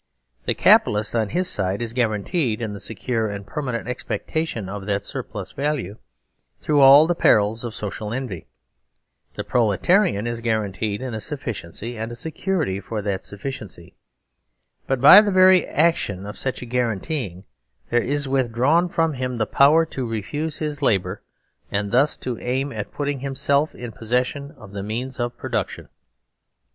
The Capi talist, on his side, is guaranteed in the secure and permanent expectation of that surplus value through all the perils of social envy; the Proletarian is guar anteed in a sufficiency and a security for that suffi ciency ; but by the very action of such a guarantee there is withdrawn from him the power to refuse his labour and thus to aim at putting himself in posses sion of the means of production.